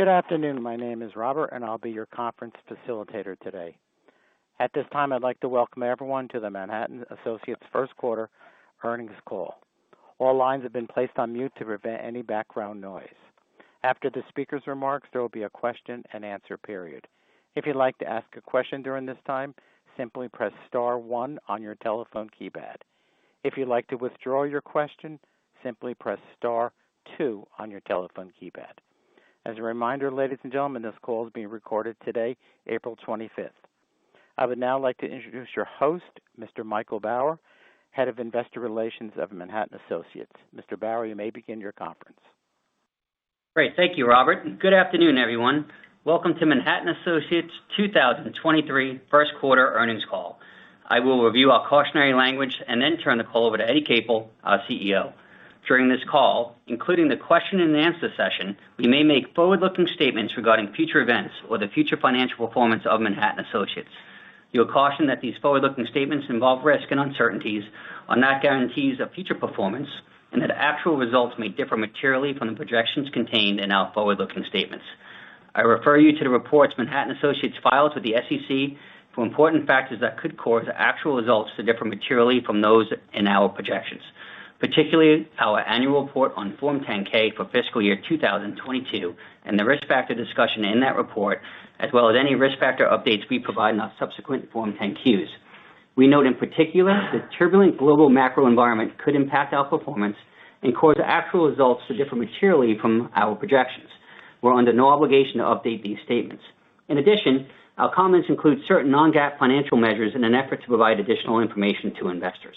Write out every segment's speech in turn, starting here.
Good afternoon. My name is Robert, and I'll be your conference facilitator today. At this time, I'd like to welcome everyone to the Manhattan Associates first quarter earnings call. All lines have been placed on mute to prevent any background noise. After the speaker's remarks, there will be a question and answer period. If you'd like to ask a question during this time, simply press star one on your telephone keypad. If you'd like to withdraw your question, simply press star two on your telephone keypad. As a reminder, ladies and gentlemen, this call is being recorded today, April 25th. I would now like to introduce your host, Mr. Michael Bauer, Head of Investor Relations of Manhattan Associates. Mr. Bauer, you may begin your conference. Great. Thank you, Robert. Good afternoon, everyone. Welcome to Manhattan Associates 2023 first quarter earnings call. I will review our cautionary language and then turn the call over to Eddie Capel, our CEO. During this call, including the question and answer session, we may make forward-looking statements regarding future events or the future financial performance of Manhattan Associates. You are cautioned that these forward-looking statements involve risks and uncertainties, are not guarantees of future performance, and that actual results may differ materially from the projections contained in our forward-looking statements. I refer you to the reports Manhattan Associates files with the SEC for important factors that could cause actual results to differ materially from those in our projections, particularly our annual report on Form 10-K for fiscal year 2022, and the risk factor discussion in that report, as well as any risk factor updates we provide in our subsequent Form 10-Qs. We note in particular that turbulent global macro environment could impact our performance and cause actual results to differ materially from our projections. We're under no obligation to update these statements. Our comments include certain non-GAAP financial measures in an effort to provide additional information to investors.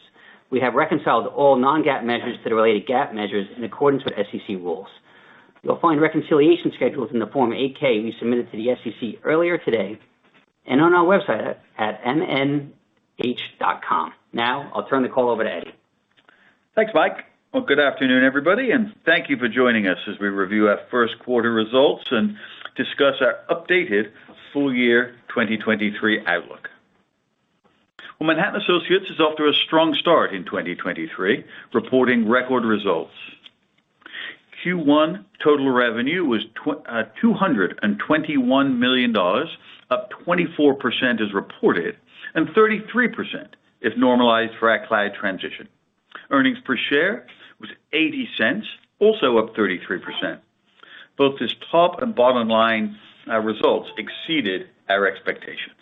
We have reconciled all non-GAAP measures to the related GAAP measures in accordance with SEC rules. You'll find reconciliation schedules in the Form 8-K we submitted to the SEC earlier today and on our website at manh.com. I'll turn the call over to Eddie. Thanks, Mike. Well, good afternoon, everybody, and thank you for joining us as we review our first quarter results and discuss our updated full year 2023 outlook. Well, Manhattan Associates is off to a strong start in 2023, reporting record results. Q1 total revenue was $221 million, up 24% as reported, and 33% if normalized for our cloud transition. Earnings per share was $0.80, also up 33%. Both this top and bottom line results exceeded our expectations.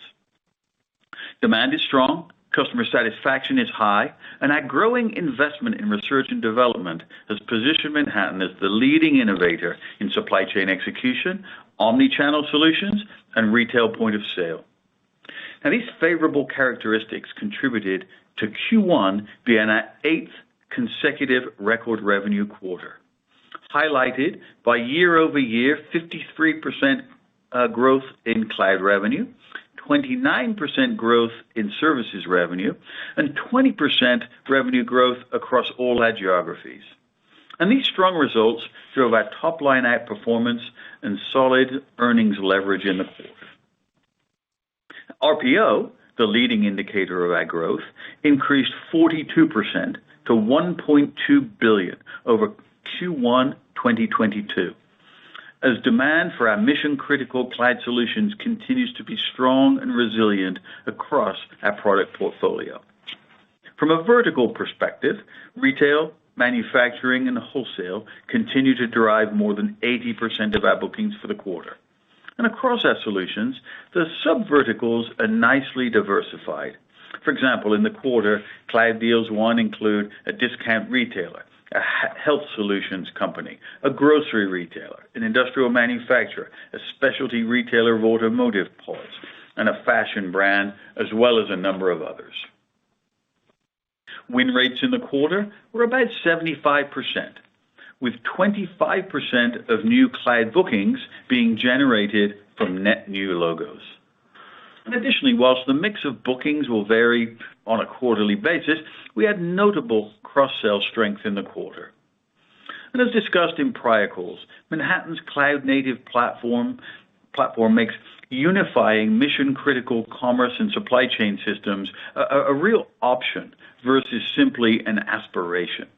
Demand is strong, customer satisfaction is high, and our growing investment in research and development has positioned Manhattan as the leading innovator in supply chain execution, omnichannel solutions, and retail point of sale. These favorable characteristics contributed to Q1 being our eighth consecutive record revenue quarter, highlighted by year-over-year 53% growth in cloud revenue, 29% growth in services revenue, and 20% revenue growth across all our geographies. These strong results drove our top line outperformance and solid earnings leverage in the quarter. RPO, the leading indicator of our growth, increased 42% to $1.2 billion over Q1 2022, as demand for our mission-critical cloud solutions continues to be strong and resilient across our product portfolio. From a vertical perspective, retail, manufacturing, and wholesale continue to drive more than 80% of our bookings for the quarter. Across our solutions, the subverticals are nicely diversified. For example, in the quarter, cloud deals won include a discount retailer, a health solutions company, a grocery retailer, an industrial manufacturer, a specialty retailer of automotive parts, and a fashion brand, as well as a number of others. Win rates in the quarter were about 75%, with 25% of new cloud bookings being generated from net new logos. Additionally, whilst the mix of bookings will vary on a quarterly basis, we had notable cross-sell strength in the quarter. As discussed in prior calls, Manhattan's cloud native platform makes unifying mission-critical commerce and supply chain systems a real option versus simply an aspiration.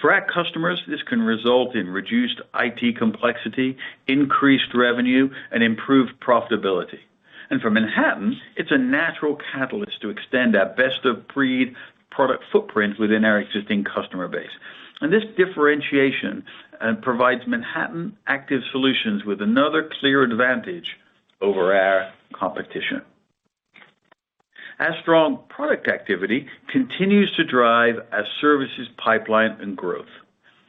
For our customers, this can result in reduced IT complexity, increased revenue, and improved profitability. For Manhattan, it's a natural catalyst to extend our best-of-breed product footprint within our existing customer base. This differentiation provides Manhattan Active Solutions with another clear advantage over our competition. Our strong product activity continues to drive our services pipeline and growth.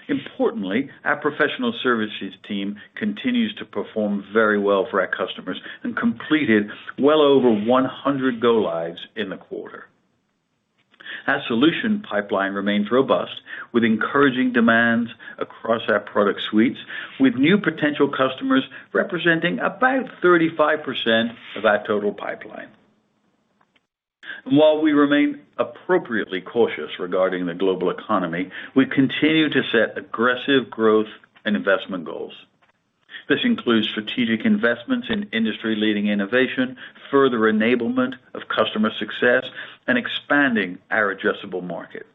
Importantly, our professional services team continues to perform very well for our customers and completed well over 100 go lives in the quarter. Our solution pipeline remains robust, with encouraging demands across our product suites, with new potential customers representing about 35% of our total pipeline. While we remain appropriately cautious regarding the global economy, we continue to set aggressive growth and investment goals. This includes strategic investments in industry-leading innovation, further enablement of customer success, and expanding our addressable market.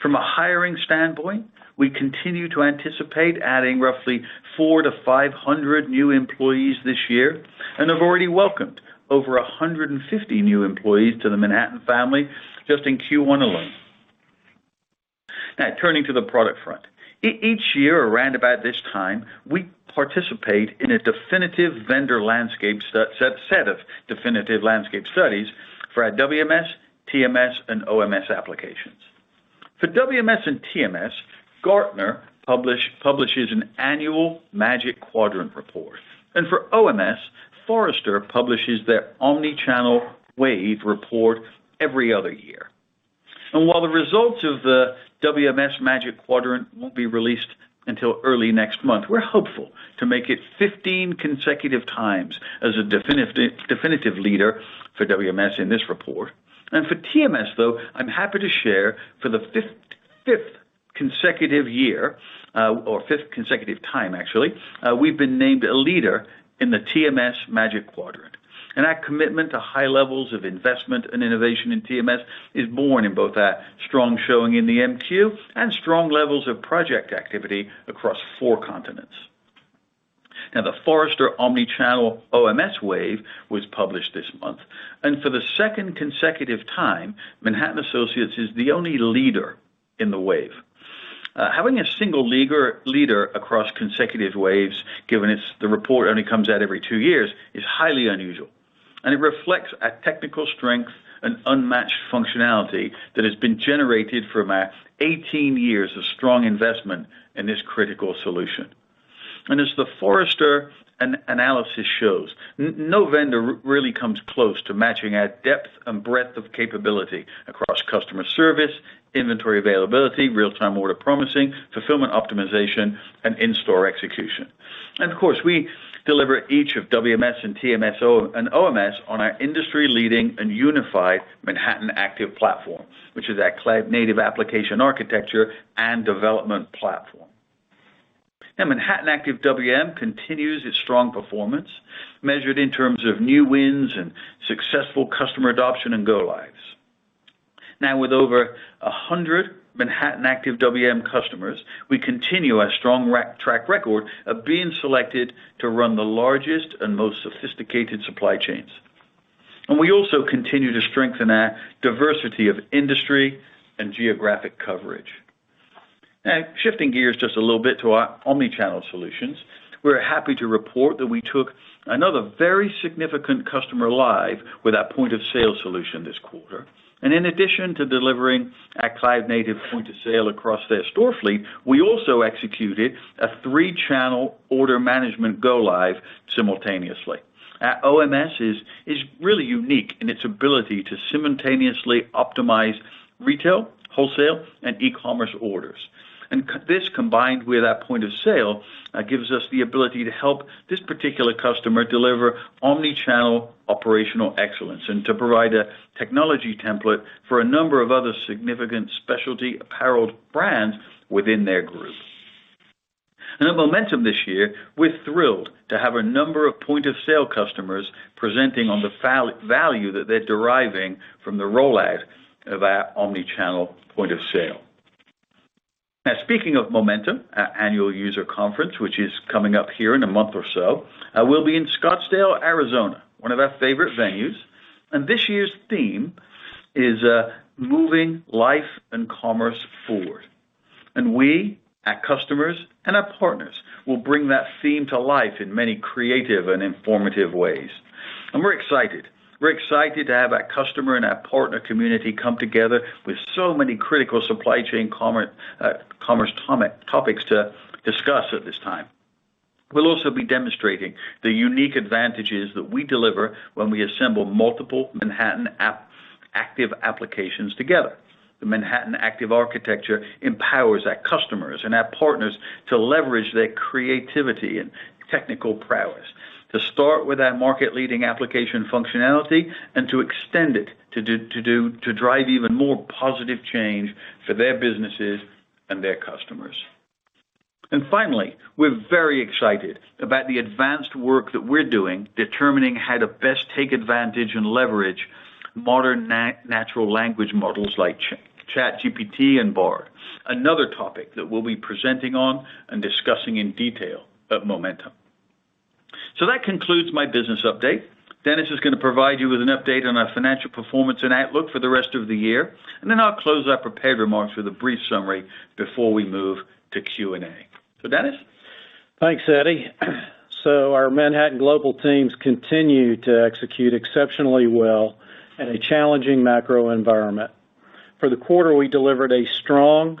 From a hiring standpoint, we continue to anticipate adding roughly 400-500 new employees this year, and have already welcomed over 150 new employees to the Manhattan family just in Q1 alone. Turning to the product front. Each year around about this time, we participate in a definitive vendor landscape set of definitive landscape studies for our WMS, TMS, and OMS applications. For WMS and TMS, Gartner publishes an annual Magic Quadrant report. For OMS, Forrester publishes their Omnichannel Wave report every other year. While the results of the WMS Magic Quadrant won't be released until early next month, we're hopeful to make it 15 consecutive times as a definitive leader for WMS in this report. For TMS, though, I'm happy to share for the fifth consecutive year, or fifth consecutive time actually, we've been named a leader in the TMS Magic Quadrant. Our commitment to high levels of investment and innovation in TMS is born in both our strong showing in the MQ and strong levels of project activity across four continents. The Forrester Omnichannel OMS Wave was published this month, and for the second consecutive time, Manhattan Associates is the only leader in the Wave. Having a single leader across consecutive waves, given it's the report only comes out every two years, is highly unusual, and it reflects a technical strength and unmatched functionality that has been generated from our 18 years of strong investment in this critical solution. As the Forrester analysis shows, no vendor really comes close to matching our depth and breadth of capability across customer service, inventory availability, real-time order promising, fulfillment optimization, and in-store execution. Of course, we deliver each of WMS and TMS and OMS on our industry-leading and unified Manhattan Active Platform, which is our cloud-native application architecture and development platform. Manhattan Active WM continues its strong performance, measured in terms of new wins and successful customer adoption and go lives. With over 100 Manhattan Active WM customers, we continue our strong track record of being selected to run the largest and most sophisticated supply chains. We also continue to strengthen our diversity of industry and geographic coverage. Shifting gears just a little bit to our omnichannel solutions. We're happy to report that we took another very significant customer live with our Point of Sale solution this quarter. In addition to delivering our cloud-native Point of Sale across their store fleet, we also executed a three-channel order management go live simultaneously. Our OMS is really unique in its ability to simultaneously optimize retail, wholesale, and e-commerce orders. This, combined with our point of sale, gives us the ability to help this particular customer deliver omnichannel operational excellence and to provide a technology template for a number of other significant specialty apparel brands within their group. At Momentum this year, we're thrilled to have a number of point of sale customers presenting on the value that they're deriving from the rollout of our omnichannel point of sale. Now, speaking of Momentum, our annual user conference, which is coming up here in a month or so, will be in Scottsdale, Arizona, one of our favorite venues. This year's theme is Moving Life and Commerce Forward. We, our customers, and our partners will bring that theme to life in many creative and informative ways. We're excited. We're excited to have our customer and our partner community come together with so many critical supply chain commerce topics to discuss at this time. We'll also be demonstrating the unique advantages that we deliver when we assemble multiple Manhattan Active applications together. The Manhattan Active Architecture empowers our customers and our partners to leverage their creativity and technical prowess, to start with our market-leading application functionality, and to extend it to drive even more positive change for their businesses and their customers. Finally, we're very excited about the advanced work that we're doing, determining how to best take advantage and leverage modern natural language models like ChatGPT and Bard, another topic that we'll be presenting on and discussing in detail at Momentum. That concludes my business update. Dennis is gonna provide you with an update on our financial performance and outlook for the rest of the year. I'll close our prepared remarks with a brief summary before wed move to Q&A. Dennis? Thanks, Eddie. Our Manhattan global teams continue to execute exceptionally well in a challenging macro environment. For the quarter, we delivered a strong,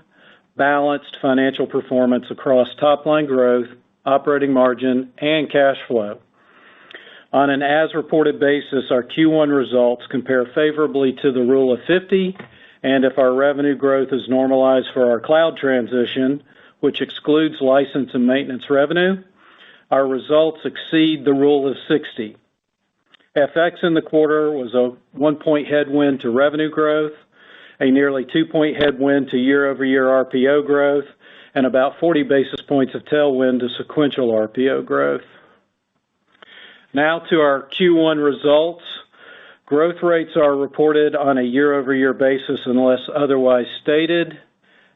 balanced financial performance across top line growth, operating margin, and cash flow. On an as-reported basis, our Q1 results compare favorably to the Rule of 50, and if our revenue growth is normalized for our cloud transition, which excludes license and maintenance revenue, our results exceed the Rule of 60. FX in the quarter was a 1-point headwind to revenue growth, a nearly 2-point headwind to year-over-year RPO growth, and about 40 basis points of tailwind to sequential RPO growth. Now to our Q1 results. Growth rates are reported on a year-over-year basis unless otherwise stated,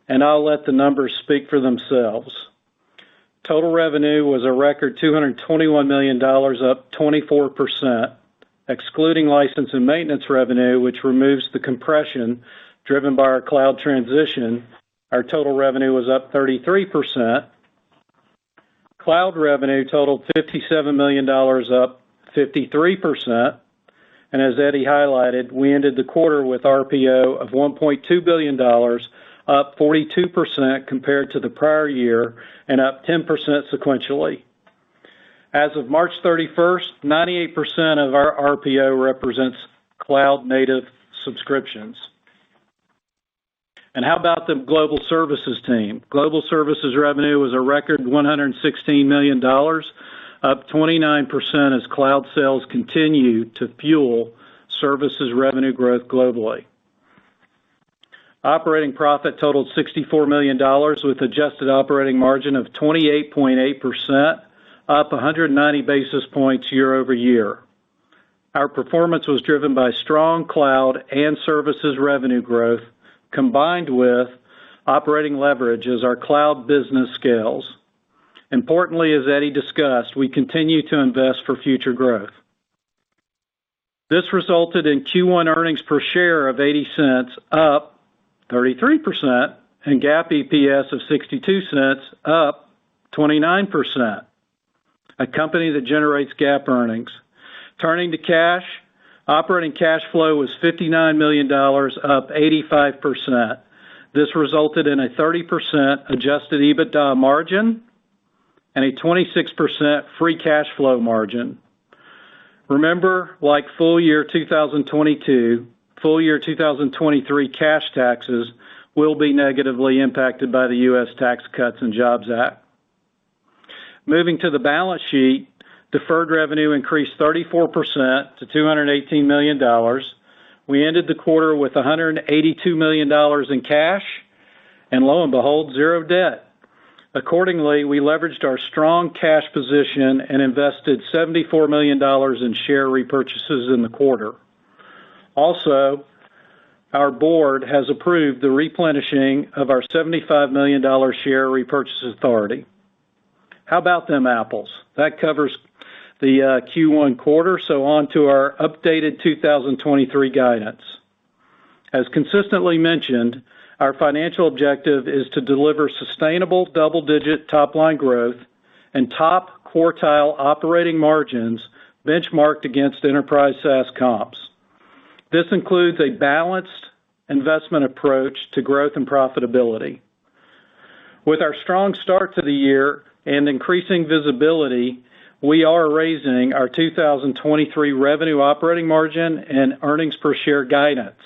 and I'll let the numbers speak for themselves. Total revenue was a record $221 million, up 24%. Excluding license and maintenance revenue, which removes the compression driven by our cloud transition, our total revenue was up 33%. Cloud revenue totaled $57 million, up 53%. As Eddie highlighted, we ended the quarter with RPO of $1.2 billion, up 42% compared to the prior year and up 10% sequentially. As of March 31st, 98% of our RPO represents cloud-native subscriptions. How about the global services team? Global services revenue was a record $116 million, up 29% as cloud sales continue to fuel services revenue growth globally. Operating profit totaled $64 million with adjusted operating margin of 28.8%, up 190 basis points year-over-year. Our performance was driven by strong cloud and services revenue growth, combined with operating leverage as our cloud business scales. Importantly, as Eddie discussed, we continue to invest for future growth. This resulted in Q1 earnings per share of $0.80, up 33%, and GAAP EPS of $0.62, up 29%. A company that generates GAAP earnings. Turning to cash, operating cash flow was $59 million, up 85%. This resulted in a 30% adjusted EBITDA margin and a 26% free cash flow margin. Remember, like full year 2022, full year 2023 cash taxes will be negatively impacted by the Tax Cuts and Jobs Act. Moving to the balance sheet, deferred revenue increased 34% to $218 million. We ended the quarter with $182 million in cash, and lo and behold, zero debt. Accordingly, we leveraged our strong cash position and invested $74 million in share repurchases in the quarter. Our board has approved the replenishing of our $75 million share repurchase authority. How about them apples? That covers the Q1 quarter, on to our updated 2023 guidance. As consistently mentioned, our financial objective is to deliver sustainable double-digit top line growth and top quartile operating margins benchmarked against enterprise SaaS comps. This includes a balanced investment approach to growth and profitability. With our strong start to the year and increasing visibility, we are raising our 2023 revenue operating margin and earnings per share guidance.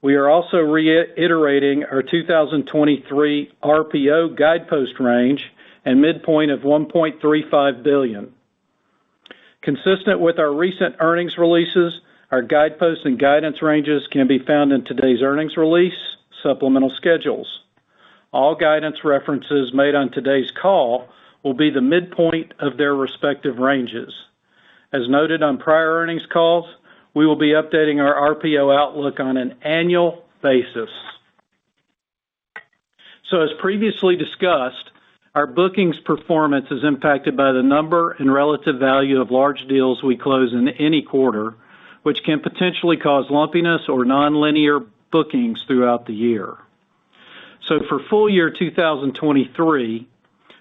We are also reiterating our 2023 RPO guidepost range and midpoint of $1.35 billion. Consistent with our recent earnings releases, our guideposts and guidance ranges can be found in today's earnings release supplemental schedules. All guidance references made on today's call will be the midpoint of their respective ranges. As noted on prior earnings calls, we will be updating our RPO outlook on an annual basis. As previously discussed, our bookings performance is impacted by the number and relative value of large deals we close in any quarter, which can potentially cause lumpiness or nonlinear bookings throughout the year. For full year 2023,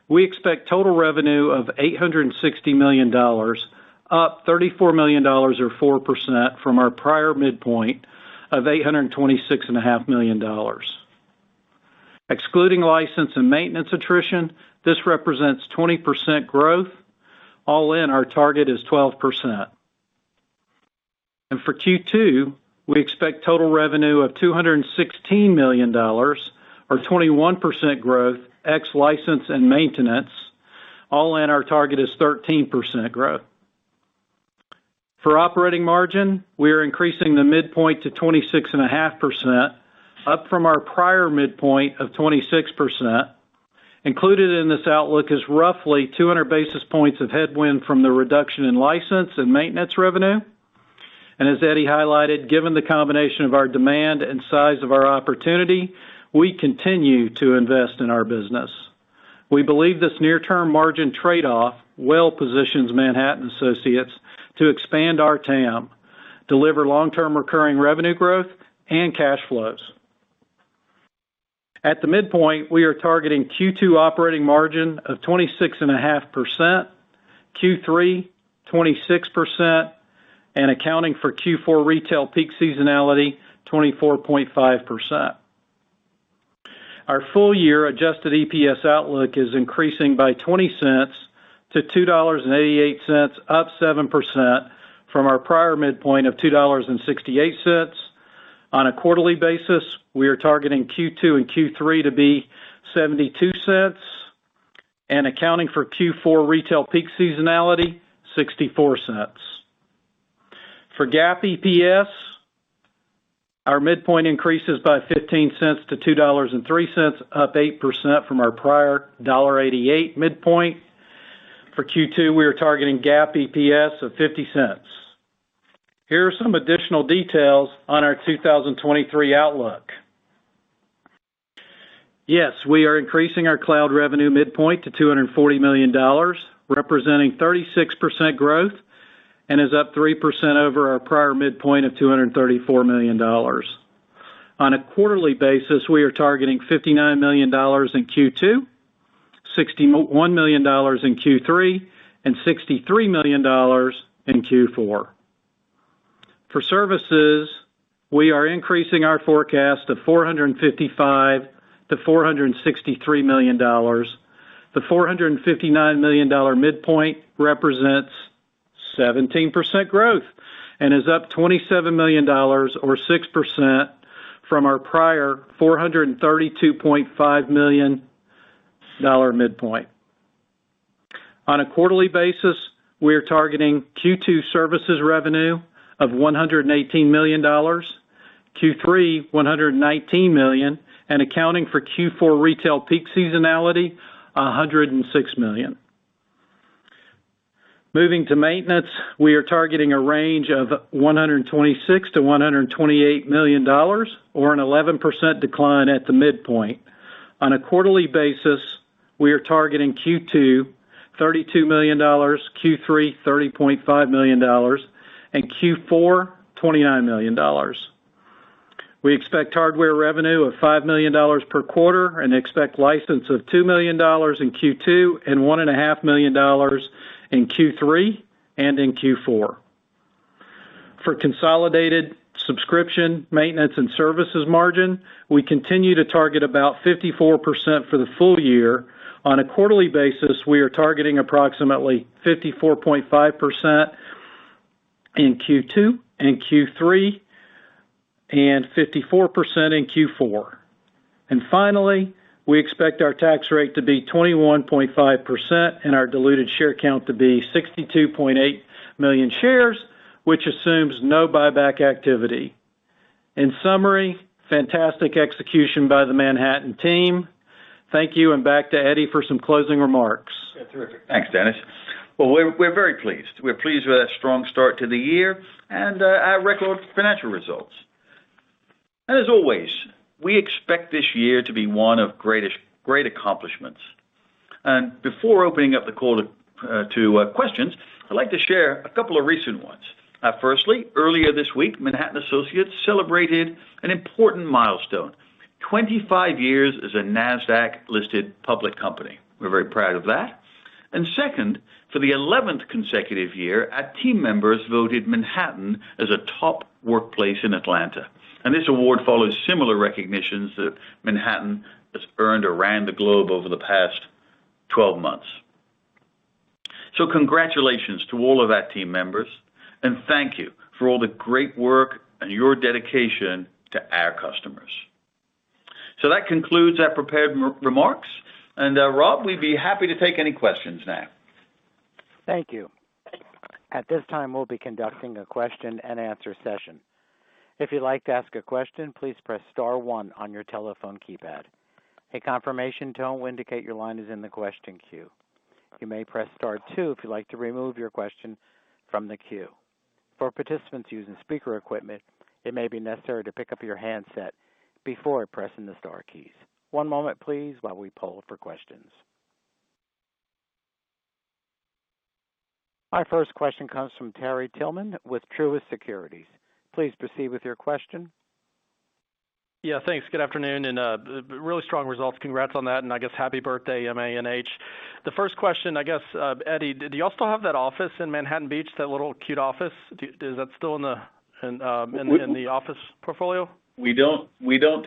we expect total revenue of $860 million, up $34 million or 4% from our prior midpoint of $826.5 million. Excluding license and maintenance attrition, this represents 20% growth. All in, our target is 12%. For Q2, we expect total revenue of $216 million, or 21% growth ex license and maintenance. All in, our target is 13% growth. For operating margin, we are increasing the midpoint to 26.5%, up from our prior midpoint of 26%. Included in this outlook is roughly 200 basis points of headwind from the reduction in license and maintenance revenue. As Eddie highlighted, given the combination of our demand and size of our opportunity, we continue to invest in our business. We believe this near-term margin trade-off well positions Manhattan Associates to expand our TAM, deliver long-term recurring revenue growth and cash flows. At the midpoint, we are targeting Q2 operating margin of 26.5%, Q3 26%, and accounting for Q4 retail peak seasonality, 24.5%. Our full year adjusted EPS outlook is increasing by $0.20-$2.88, up 7% from our prior midpoint of $2.68. On a quarterly basis, we are targeting Q2 and Q3 to be $0.72, and accounting for Q4 retail peak seasonality, $0.64. For GAAP EPS, our midpoint increases by $0.15-$2.03, up 8% from our prior $1.88 midpoint. For Q2, we are targeting GAAP EPS of $0.50. Here are some additional details on our 2023 outlook. Yes, we are increasing our cloud revenue midpoint to $240 million, representing 36% growth, and is up 3% over our prior midpoint of $234 million. On a quarterly basis, we are targeting $59 million in Q2, $61 million in Q3, and $63 million in Q4. For services, we are increasing our forecast of $455 million-$463 million. The $459 million midpoint represents 17% growth and is up $27 million or 6% from our prior $432.5 million midpoint. On a quarterly basis, we are targeting Q2 services revenue of $118 million, Q3, $119 million, and accounting for Q4 retail peak seasonality, $106 million. Moving to maintenance, we are targeting a range of $126 million-$128 million or an 11% decline at the midpoint. On a quarterly basis, we are targeting Q2, $32 million, Q3, $30.5 million, and Q4, $29 million. We expect hardware revenue of $5 million per quarter and expect license of $2 million in Q2 and $1.5 million in Q3 and in Q4. For consolidated subscription, maintenance, and services margin, we continue to target about 54% for the full year. On a quarterly basis, we are targeting approximately 54.5% in Q2 and Q3, and 54% in Q4. Finally, we expect our tax rate to be 21.5% and our diluted share count to be 62.8 million shares, which assumes no buyback activity. In summary, fantastic execution by the Manhattan team. Thank you, and back to Eddie for some closing remarks. Yeah. Terrific. Thanks, Dennis. Well, we're very pleased. We're pleased with our strong start to the year and our record financial results. As always, we expect this year to be one of great accomplishments. Before opening up the call to questions, I'd like to share a couple of recent ones. Firstly, earlier this week, Manhattan Associates celebrated an important milestone, 25 years as a Nasdaq-listed public company. We're very proud of that. Second, for the 11th consecutive year, our team members voted Manhattan as a top workplace in Atlanta. This award follows similar recognitions that Manhattan has earned around the globe over the past 12 months. Congratulations to all of our team members, and thank you for all the great work and your dedication to our customers. That concludes our prepared remarks. Rob, we'd be happy to take any questions now. Thank you. At this time, we'll be conducting a question and answer session. If you'd like to ask a question, please press star one on your telephone keypad. A confirmation tone will indicate your line is in the question queue. You may press star two if you'd like to remove your question from the queue. For participants using speaker equipment, it may be necessary to pick up your handset before pressing the star keys. One moment, please, while we poll for questions. Our first question comes from Terry Tillman with Truist Securities. Please proceed with your question. Yeah. Thanks. Good afternoon, really strong results. Congrats on that, I guess happy birthday, MANH. The first question, I guess, Eddie, do y'all still have that office in Manhattan Beach, that little cute office? Is that still in the office portfolio? We don't,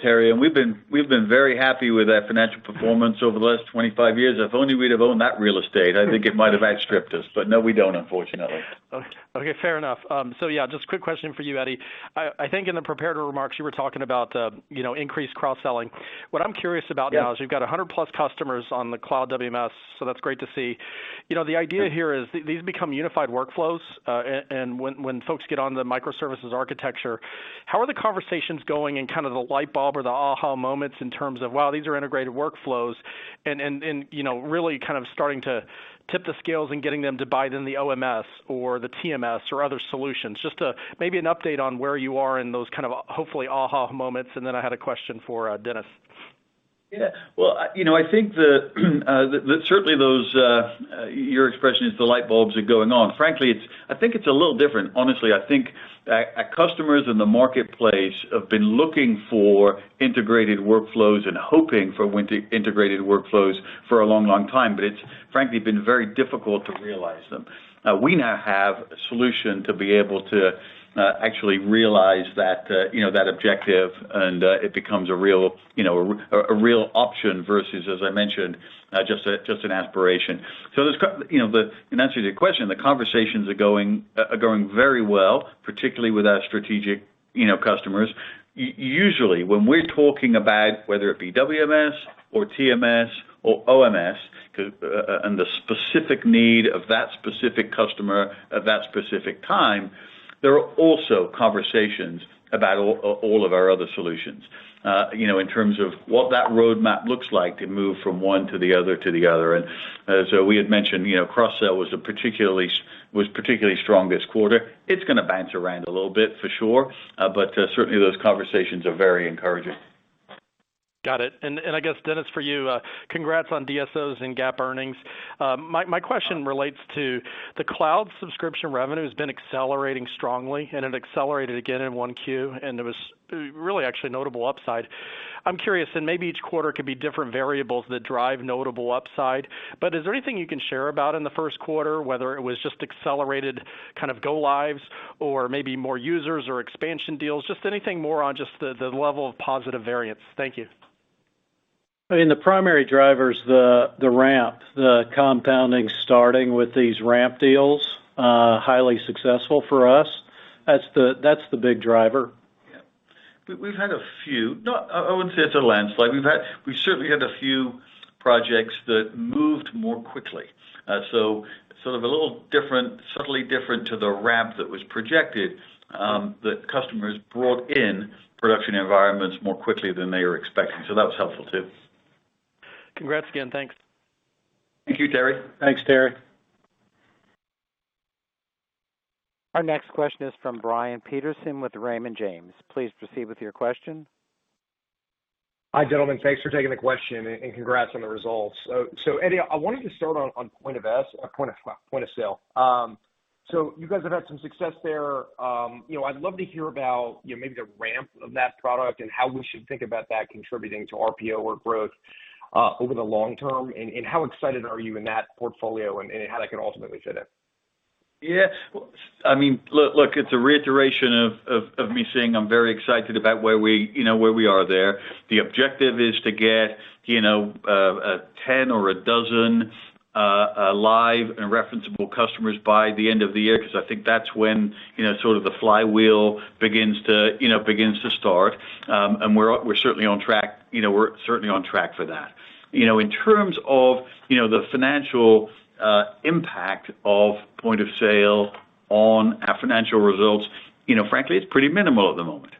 Terry. We've been very happy with our financial performance over the last 25 years. If only we'd have owned that real estate, I think it might have outstripped us. No, we don't, unfortunately. Okay. Fair enough. Yeah, just a quick question for you, Eddie. I think in the prepared remarks, you were talking about, you know, increased cross-selling. What I'm curious about now. Yes. Is you've got 100+ customers on the cloud WMS, so that's great to see. You know, the idea here is these become unified workflows, and when folks get on the microservices architecture, how are the conversations going in kind of the light bulb or the aha moments in terms of, wow, these are integrated workflows, and, you know, really kind of starting to tip the scales and getting them to buy in the OMS or the TMS or other solutions? Just a maybe an update on where you are in those kind of, hopefully, aha moments, and then I had a question for Dennis. Yeah. Well, you know, I think the, certainly those, your expression is the light bulbs are going on. Frankly, I think it's a little different. Honestly, I think our customers in the marketplace have been looking for integrated workflows and hoping for when to integrated workflows for a long, long time, but it's frankly been very difficult to realize them. We now have a solution to be able to actually realize that, you know, that objective, and it becomes a real, you know, a real option versus, as I mentioned, just a, just an aspiration. There's you know, then, in answer to your question, the conversations are going very well, particularly with our strategic, you know, customers. Usually, when we're talking about whether it be WMS or TMS or OMS, and the specific need of that specific customer at that specific time. There are also conversations about all of our other solutions, you know, in terms of what that roadmap looks like to move from one to the other, to the other. As we had mentioned, you know, cross-sell was particularly strong this quarter. It's gonna bounce around a little bit for sure, but certainly those conversations are very encouraging. Got it. I guess, Dennis, for you, congrats on DSOs and GAAP earnings. My question relates to the cloud subscription revenue has been accelerating strongly, and it accelerated again in 1Q, and it was really actually notable upside. I'm curious, maybe each quarter could be different variables that drive notable upside, but is there anything you can share about in the first quarter, whether it was just accelerated kind of go lives or maybe more users or expansion deals, just anything more on just the level of positive variance? Thank you. I mean, the primary driver is the ramp, the compounding starting with these ramp deals, highly successful for us. That's the big driver. Yeah. We've had a few. I wouldn't say it's a landslide. We've certainly had a few projects that moved more quickly. Sort of a little different, subtly different to the ramp that was projected, that customers brought in production environments more quickly than they were expecting. That was helpful too. Congrats again. Thanks. Thank you, Terry. Thanks, Terry. Our next question is from Brian Peterson with Raymond James. Please proceed with your question. Hi, gentlemen. Thanks for taking the question, and congrats on the results. Eddie, I wanted to start on point of sale. You guys have had some success there. You know, I'd love to hear about, you know, maybe the ramp of that product and how we should think about that contributing to RPO or growth over the long term, and how excited are you in that portfolio and how that can ultimately fit in? Yeah. I mean, look, it's a reiteration of me saying I'm very excited about where we, you know, where we are there. The objective is to get, you know, a 10 or a dozen live and referenceable customers by the end of the year 'cause I think that's when, you know, sort of the flywheel begins to, you know, begins to start. We're certainly on track. You know, we're certainly on track for that. You know, in terms of, you know, the financial impact of point of sale on our financial results, you know, frankly, it's pretty minimal at the moment.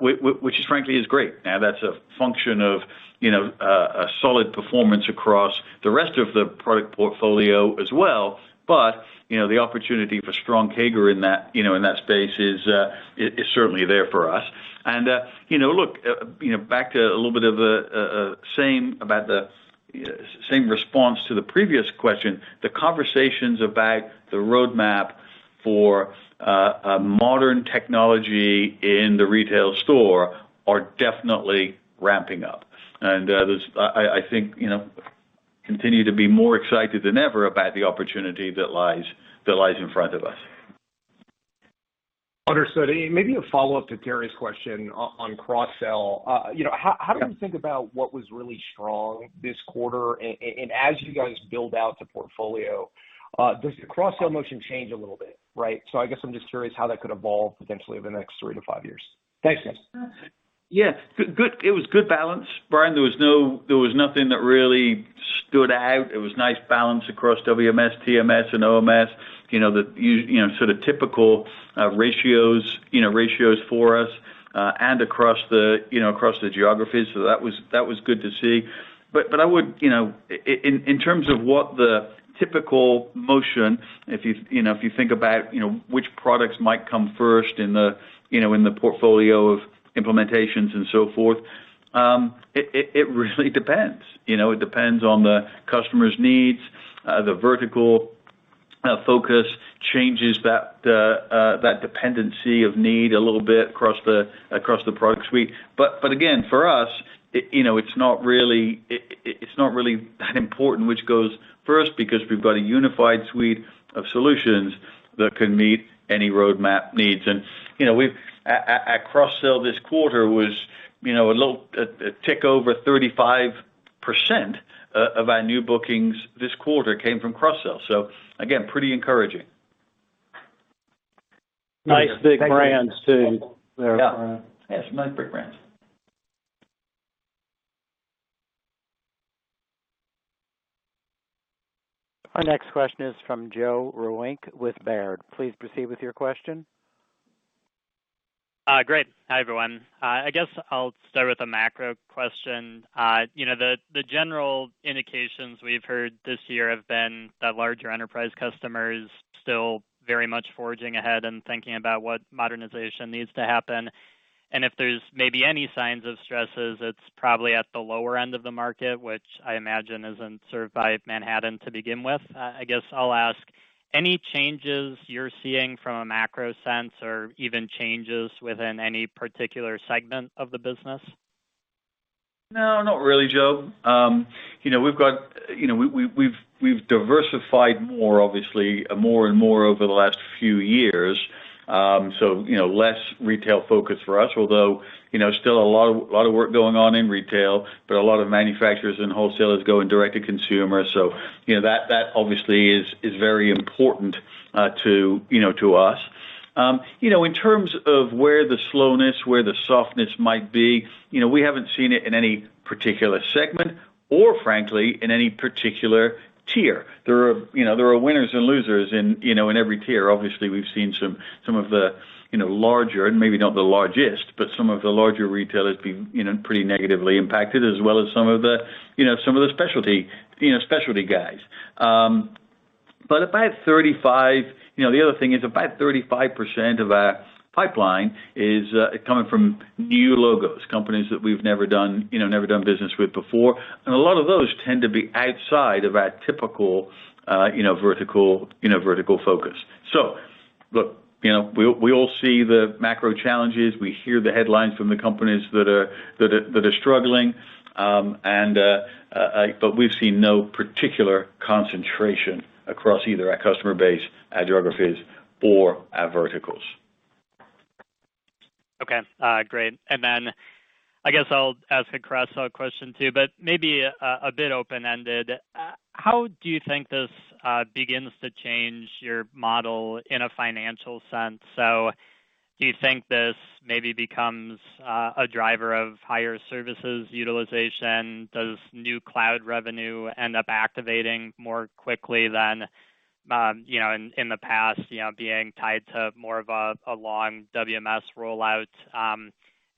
Which is frankly, is great. That's a function of, you know, a solid performance across the rest of the product portfolio as well, but, you know, the opportunity for strong CAGR in that, you know, in that space is certainly there for us. You know, look, you know, back to a little bit of the same about the same response to the previous question, the conversations about the roadmap for modern technology in the retail store are definitely ramping up. There's I think, you know, continue to be more excited than ever about the opportunity that lies in front of us. Understood. Maybe a follow-up to Terry's question on cross-sell. You know, how do you think about what was really strong this quarter? And as you guys build out the portfolio, does the cross-sell motion change a little bit, right? I guess I'm just curious how that could evolve potentially over the next three to five years. Thanks, guys. Yeah. It was good balance, Brian. There was nothing that really stood out. It was nice balance across WMS, TMS, and OMS. You know, sort of typical ratios for us and across the geographies. That was good to see. I would, you know, in terms of what the typical motion, if you know, if you think about, you know, which products might come first in the, you know, in the portfolio of implementations and so forth, it really depends. You know, it depends on the customer's needs, the vertical focus changes that dependency of need a little bit across the product suite. Again, for us, it, you know, it's not really that important which goes first because we've got a unified suite of solutions that can meet any roadmap needs. You know, we've. At cross-sell this quarter was, you know, a little, a tick over 35% of our new bookings this quarter came from cross-sell. Again, pretty encouraging. Nice big brands too. Yeah. Yes, nice big brands. Our next question is from Joe Vruwink with Baird. Please proceed with your question. Great. Hi, everyone. I guess I'll start with a macro question. You know, the general indications we've heard this year have been that larger enterprise customers still very much forging ahead and thinking about what modernization needs to happen. If there's maybe any signs of stresses, it's probably at the lower end of the market, which I imagine isn't served by Manhattan to begin with. I guess I'll ask, any changes you're seeing from a macro sense or even changes within any particular segment of the business? No, not really, Joe. You know, we've got, you know, we've diversified more obviously, more and more over the last few years. You know, less retail focus for us. Although, you know, still a lot of work going on in retail, but a lot of manufacturers and wholesalers going direct to consumer. You know, that obviously is very important to, you know, to us. You know, in terms of where the slowness, where the softness might be, you know, we haven't seen it in any particular segment or frankly, in any particular tier. There are, you know, there are winners and losers in, you know, in every tier. Obviously, we've seen some of the, you know, larger, and maybe not the largest, but some of the larger retailers be, you know, pretty negatively impacted, as well as some of the, you know, some of the specialty, you know, specialty guys. But about 35%. You know, the other thing is about 35% of our pipeline is coming from new logos, companies that we've never done, you know, never done business with before. A lot of those tend to be outside of our typical, you know, vertical, you know, vertical focus. Look, you know, we all see the macro challenges. We hear the headlines from the companies that are struggling. But we've seen no particular concentration across either our customer base, our geographies, or our verticals. Okay. Great. Then I guess I'll ask a cross-sell question, too, but maybe a bit open-ended. How do you think this begins to change your model in a financial sense? Do you think this maybe becomes a driver of higher services utilization? Does new cloud revenue end up activating more quickly than, you know, in the past, you know, being tied to more of a long WMS rollout?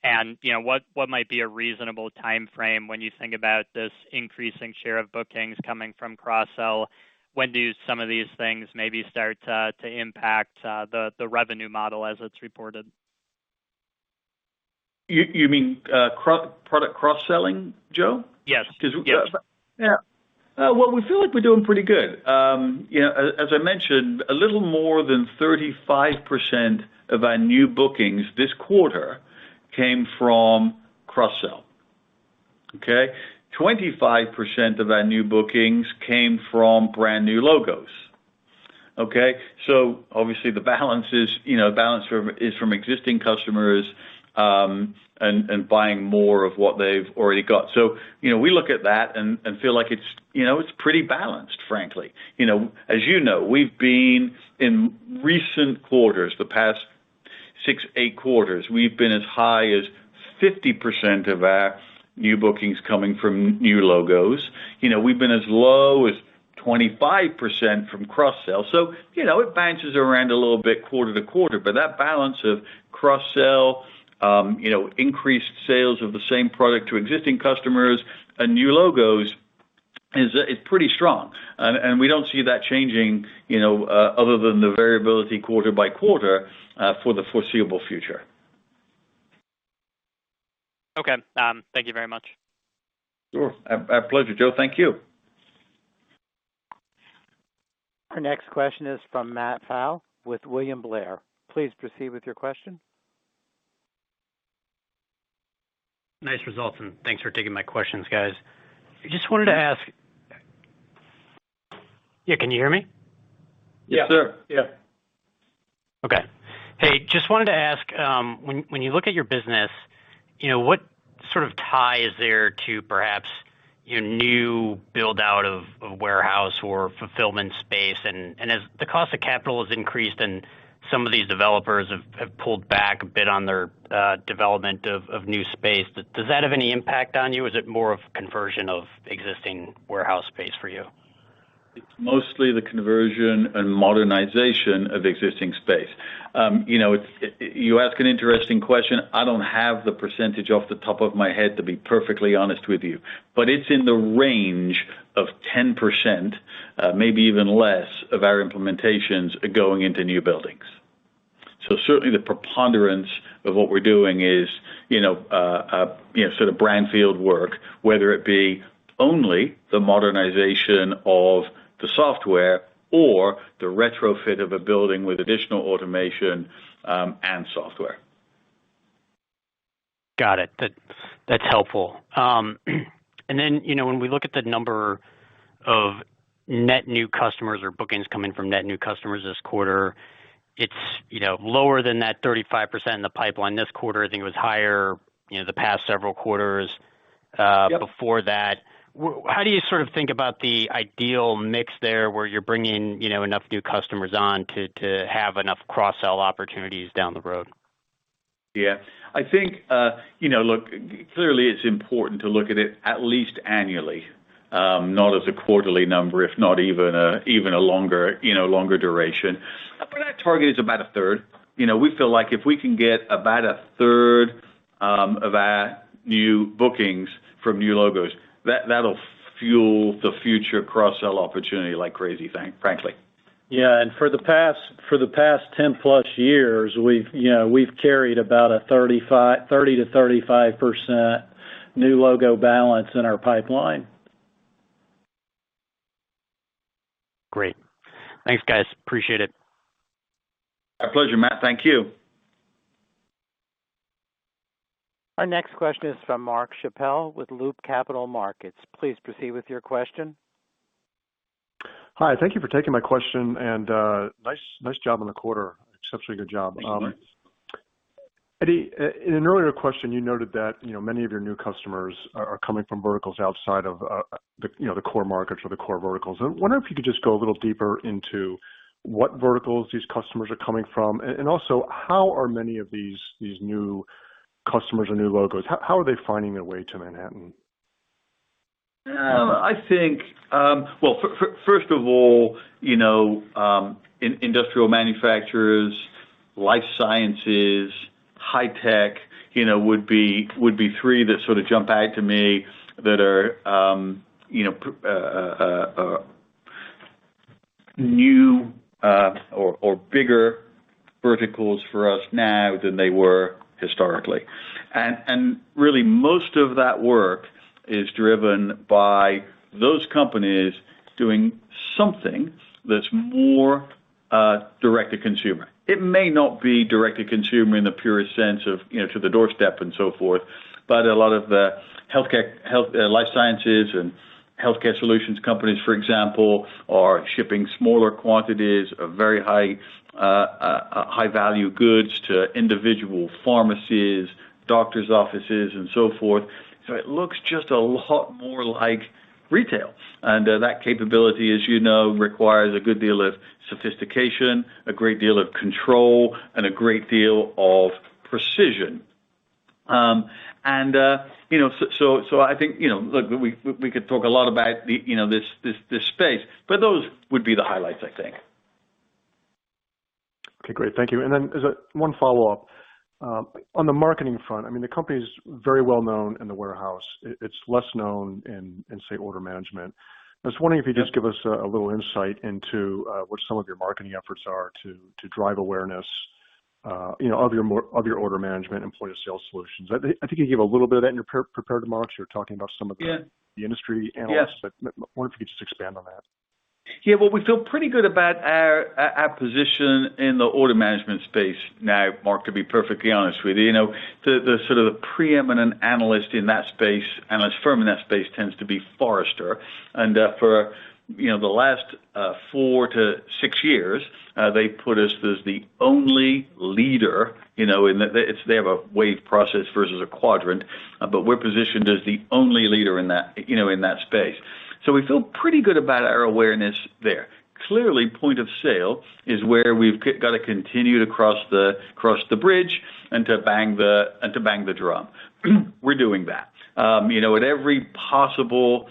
And, you know, what might be a reasonable timeframe when you think about this increasing share of bookings coming from cross-sell? When do some of these things maybe start to impact the revenue model as it's reported? You mean, product cross-selling, Joe? Yes. 'Cause- Yes. Yeah. Well, we feel like we're doing pretty good. You know, as I mentioned, a little more than 35% of our new bookings this quarter came from cross-sell. Okay? 25% of our new bookings came from brand new logos. Okay? Obviously, the balance is, you know, from existing customers, and buying more of what they've already got. You know, we look at that and feel like it's, you know, it's pretty balanced, frankly. You know, as you know, we've been in recent quarters, the past six quarters, eight quarters, we've been as high as 50% of our new bookings coming from new logos. You know, we've been as low as 25% from cross-sell. You know, it bounces around a little bit quarter to quarter. That balance of cross-sell, you know, increased sales of the same product to existing customers and new logos is pretty strong. We don't see that changing, you know, other than the variability quarter by quarter, for the foreseeable future. Okay. Thank you very much. Sure. Our pleasure, Joe. Thank you. Our next question is from Matt Pfau with William Blair. Please proceed with your question. Nice results. Thanks for taking my questions, guys. Yeah, can you hear me? Yes. Sure. Yeah. Okay. Hey, just wanted to ask, when you look at your business, you know, what sort of tie is there to perhaps your new build-out of warehouse or fulfillment space? As the cost of capital has increased and some of these developers have pulled back a bit on their development of new space, does that have any impact on you, or is it more of conversion of existing warehouse space for you? It's mostly the conversion and modernization of existing space. You know, it's. You ask an interesting question. I don't have the percentage off the top of my head, to be perfectly honest with you. It's in the range of 10%, maybe even less of our implementations going into new buildings. Certainly the preponderance of what we're doing is, you know, you know, sort of brownfield work, whether it be only the modernization of the software or the retrofit of a building with additional automation and software. Got it. That's helpful. You know, when we look at the number of net new customers or bookings coming from net new customers this quarter, it's, you know, lower than that 35% in the pipeline this quarter. I think it was higher, you know, the past several quarters- Yep before that. How do you sort of think about the ideal mix there, where you're bringing, you know, enough new customers on to have enough cross-sell opportunities down the road? Yeah. I think, you know, look, clearly it's important to look at it at least annually, not as a quarterly number, if not even a longer, you know, longer duration. Our target is about 1/3. You know, we feel like if we can get about 1/3 of our new bookings from new logos, that'll fuel the future cross-sell opportunity like crazy, frankly. Yeah. For the past 10+ years, we've, you know, carried about a 30%-35% new logo balance in our pipeline. Great. Thanks, guys. Appreciate it. Our pleasure, Matt. Thank you. Our next question is from Mark Schappel with Loop Capital Markets. Please proceed with your question. Hi. Thank you for taking my question. Nice job on the quarter. Exceptionally good job. Thanks, Mark. Eddie, in an earlier question, you noted that, you know, many of your new customers are coming from verticals outside of, the, you know, the core markets or the core verticals. I wonder if you could just go a little deeper into what verticals these customers are coming from, and also how are many of these new customers or new logos, how are they finding their way to Manhattan? Well, first of all, you know, industrial manufacturers, life sciences, high tech, you know, would be three that sort of jump out to me that are, you know, new or bigger verticals for us now than they were historically. Really most of that work is driven by those companies doing something that's more direct to consumer. It may not be direct to consumer in the purest sense of, you know, to the doorstep and so forth, but a lot of the healthcare, life sciences and healthcare solutions companies, for example, are shipping smaller quantities of very high value goods to individual pharmacies, doctor's offices and so forth. It looks just a lot more like retail. That capability, as you know, requires a good deal of sophistication, a great deal of control and a great deal of precision. You know, so I think, you know, look, we could talk a lot about the, you know, this space, but those would be the highlights, I think. Okay, great. Thank you. Then as a one follow-up, on the marketing front, I mean, the company's very well known in the warehouse. It's less known in, say, order management. I was wondering if you just give us a little insight into what some of your marketing efforts are to drive awareness, you know, of your order management and point-of-sale solutions. I think you gave a little bit of that in your pre-prepared remarks. You were talking about some of the- Yeah. the industry analysts. Yes. Wonder if you could just expand on that? Yeah. Well, we feel pretty good about our position in the order management space now, Mark, to be perfectly honest with you. You know, the sort of preeminent analyst in that space, analyst firm in that space tends to be Forrester. For, you know, the last four to six years, they put us as the only leader, you know. They have a wave process versus a quadrant, but we're positioned as the only leader in that, you know, in that space. We feel pretty good about our awareness there. Clearly, point of sale is where we've gotta continue to cross the bridge and to bang the drum. We're doing that. You know, at every possible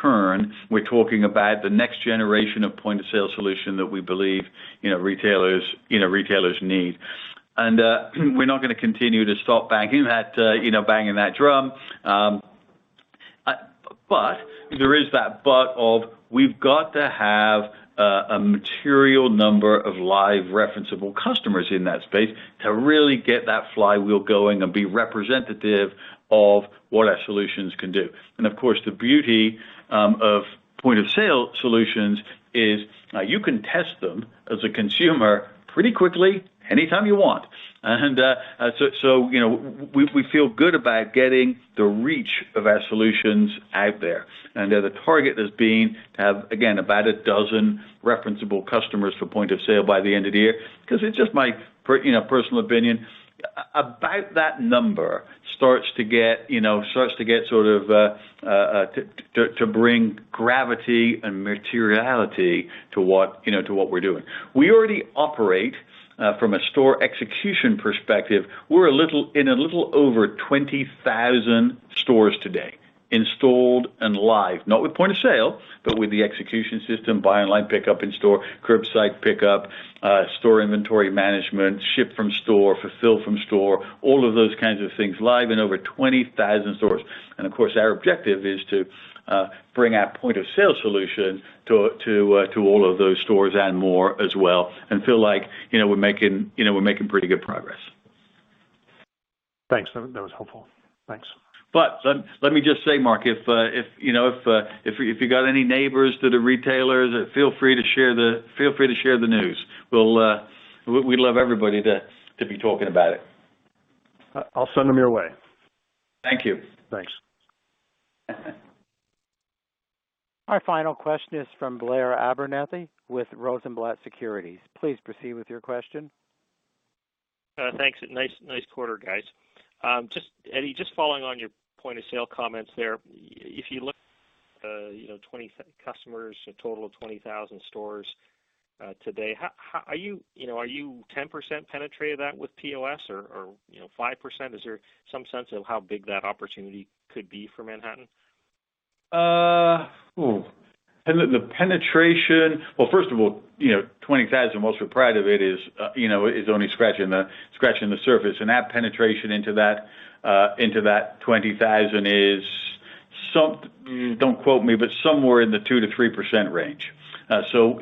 turn, we're talking about the next generation of point of sale solution that we believe, you know, retailers need. We're not gonna continue to stop banging that drum. There is that but of we've got to have a material number of live referenceable customers in that space to really get that flywheel going and be representative of what our solutions can do. Of course, the beauty of point of sale solutions is, you can test them as a consumer pretty quickly anytime you want. You know, we feel good about getting the reach of our solutions out there. The target has been to have, again, about 12 referenceable customers for Point of Sale by the end of the year, because it's just my you know, personal opinion, about that number starts to get, you know, sort of to bring gravity and materiality to what, you know, to what we're doing. We already operate from a store execution perspective. in a little over 20,000 stores today, installed and live, not with Point of Sale, but with the execution system, buy online, pickup in store, curbside pickup, store inventory management, ship from store, fulfill from store, all of those kinds of things live in over 20,000 stores. Of course, our objective is to bring our point of sale solution to all of those stores and more as well and feel like, you know, we're making pretty good progress. Thanks. That was helpful. Thanks. Let me just say, Mark, if, you know, if you got any neighbors that are retailers, feel free to share the news. We'll, we'd love everybody to be talking about it. I'll send them your way. Thank you. Thanks. Our final question is from Blair Abernethy with Rosenblatt Securities. Please proceed with your question. Thanks. Nice, nice quarter, guys. Eddie, just following on your point of sale comments there. If you look, you know, 20 customers, a total of 20,000 stores, today, how are you know, are you 10% penetrated that with POS or, you know, 5%? Is there some sense of how big that opportunity could be for Manhattan? The penetration. Well, first of all, you know, 20,000, whilst we're proud of it is, you know, is only scratching the surface. That penetration into that 20,000 is don't quote me, but somewhere in the 2%-3% range. You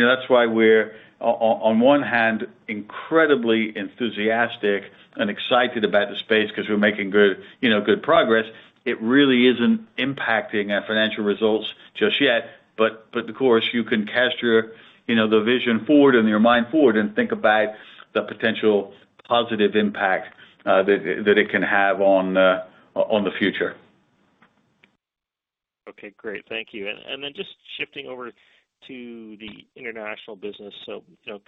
know, that's why we're on one hand incredibly enthusiastic and excited about the space because we're making good, you know, good progress. It really isn't impacting our financial results just yet. Of course, you can cast your, you know, the vision forward and your mind forward and think about the potential positive impact that it can have on the future. Okay, great. Thank you. Just shifting over to the international business. You know,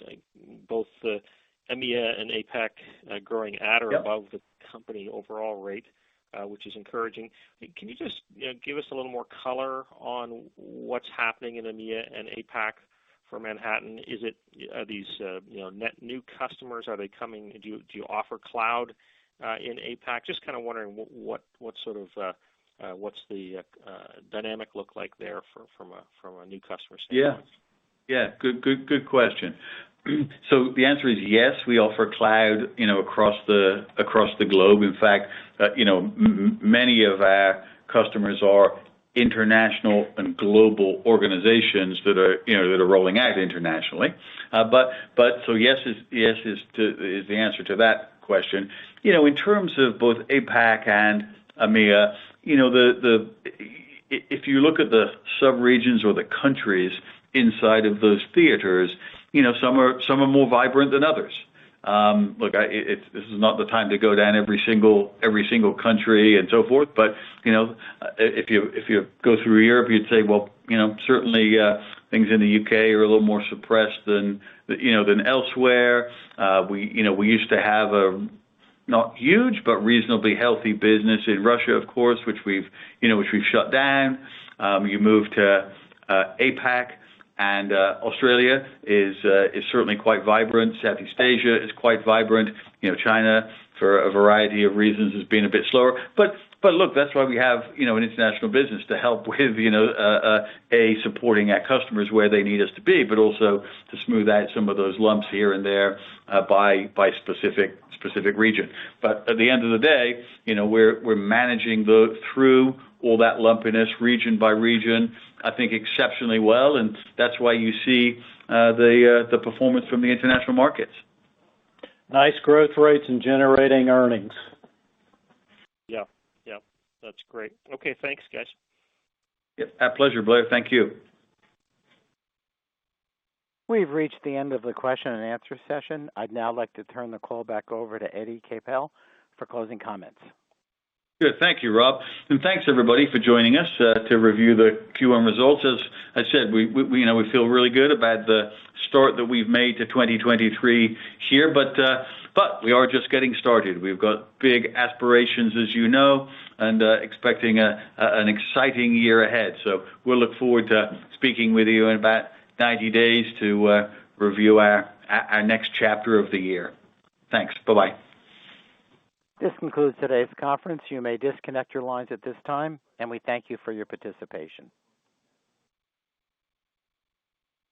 both the EMEA and APAC, growing at or above- Yep the company overall rate, which is encouraging. Can you just, you know, give us a little more color on what's happening in EMEA and APAC for Manhattan? Are these, you know, net new customers? Do you offer cloud in APAC? Just kind of wondering what sort of, what's the dynamic look like there from a new customer standpoint? Yeah. Yeah. Good, good question. The answer is yes, we offer cloud, you know, across the globe. In fact, you know, many of our customers are international and global organizations that are, you know, that are rolling out internationally. Yes is the answer to that question. You know, in terms of both APAC and EMEA, you know, if you look at the subregions or the countries inside of those theaters, you know, some are more vibrant than others. Look, this is not the time to go down every single country and so forth. You know, if you, if you go through Europe, you'd say, well, you know, certainly, things in the U.K. are a little more suppressed than, you know, than elsewhere. We, you know, we used to have a, not huge, but reasonably healthy business in Russia, of course, which we've, you know, which we've shut down. You move to APAC, and Australia is certainly quite vibrant. Southeast Asia is quite vibrant. You know, China, for a variety of reasons, has been a bit slower. But look, that's why we have, you know, an international business to help with, you know, A, supporting our customers where they need us to be, but also to smooth out some of those lumps here and there, by specific region. At the end of the day, you know, we're managing through all that lumpiness region by region, I think exceptionally well, and that's why you see the performance from the international markets. Nice growth rates in generating earnings. Yeah. Yeah. That's great. Okay, thanks, guys. Yeah. Our pleasure, Blair. Thank you. We've reached the end of the question and answer session. I'd now like to turn the call back over to Eddie Capel for closing comments. Good. Thank you, Rob. Thanks everybody for joining us to review the QM results. As I said, we, you know, we feel really good about the start that we've made to 2023 here. We are just getting started. We've got big aspirations, as you know, expecting an exciting year ahead. We'll look forward to speaking with you in about 90 days to review our next chapter of the year. Thanks. Bye-bye. This concludes today's conference. You may disconnect your lines at this time, and we thank you for your participation.